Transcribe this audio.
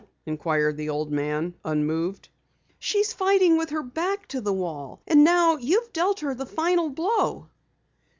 inquired the old man, unmoved. "She's fighting with her back to the wall. And now you've dealt her the final blow."